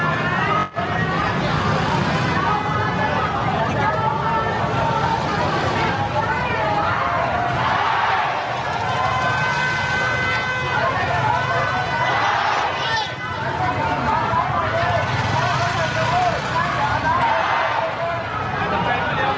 ก็น่าจะมีการเปิดทางให้รถพยาบาลเคลื่อนต่อไปนะครับ